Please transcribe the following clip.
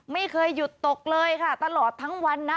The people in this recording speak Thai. ไม่เคยหยุดตกเลยค่ะตลอดทั้งวันนะ